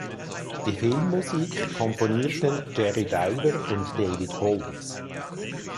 Die Filmmusik komponierten Gerry Diver und David Holmes.